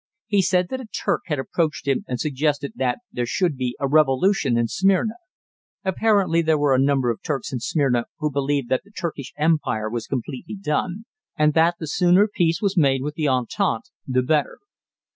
He said that a Turk had approached him and suggested that there should be a revolution in Smyrna. Apparently there were a number of Turks in Smyrna who believed that the Turkish empire was completely done, and that the sooner peace was made with the Entente the better.